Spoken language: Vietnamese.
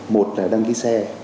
một là đăng ký xe